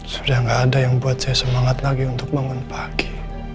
sudah tidak ada yang buat saya semangat lagi untuk bangun pagi